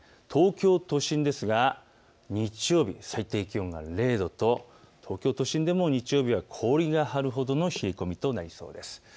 東京都心ですが日曜日、最低気温が０度と、東京都心でも日曜日は氷が張るほどの冷え込みとなりそうです。